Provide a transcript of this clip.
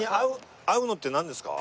合うのってなんですか？